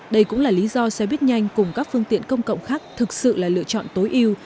đây cũng là lý do xe buýt nhanh cùng các phương tiện công cộng khác thực sự là lựa chọn tối yêu